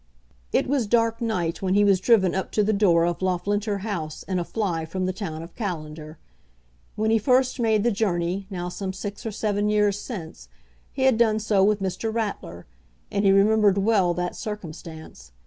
It was dark night when he was driven up to the door of Loughlinter House in a fly from the town of Callender. When he first made the journey, now some six or seven years since, he had done so with Mr. Ratler, and he remembered well that circumstance.